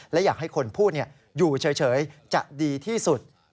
และอยากให้คนพูดอยู่เฉยจะดีที่สุด